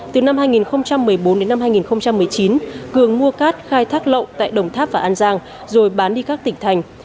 từ năm hai nghìn một mươi bốn đến năm hai nghìn một mươi chín cường mua cát khai thác lậu tại đồng tháp và an giang rồi bán đi các tỉnh thành